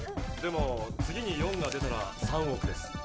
でも次に「４」が出たら３億です。